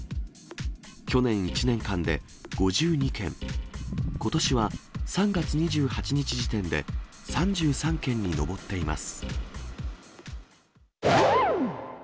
去年１年間で５２件、ことしは３月２８日時点で３３件に上っています。